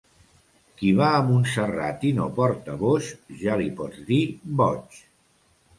Qui va a Montserrat i no porta boix, ja li pots dir boig.